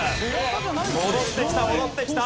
戻って来た戻って来た。